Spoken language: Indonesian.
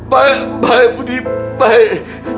baik baik putri baik